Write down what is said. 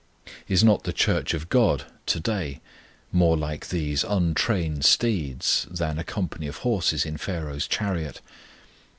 Is not the Church of GOD to day more like these untrained steeds than a company of horses in Pharaoh's chariot?